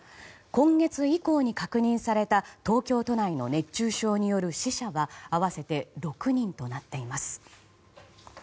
今月以降に確認された東京都内の熱中症による死者は合わせて６人となっています。